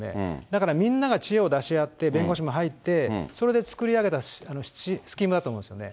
だからみんなが知恵を出し合って、弁護士も入って、それで作り上げたスキームだと思うんですよね。